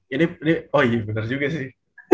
ini oh iya benar juga sih